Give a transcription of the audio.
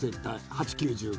８９１０が。